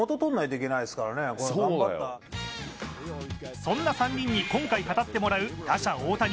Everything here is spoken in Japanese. そんな３人に今回語ってもらう打者・大谷。